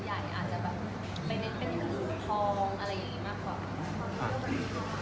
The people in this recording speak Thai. ใหญ่อาจจะไปเน้นเป็นสูทีพองอะไรแบบนี้มากกว่ามัน